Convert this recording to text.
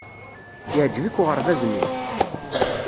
Yeɛjeb-ik uɣerbaz-nni?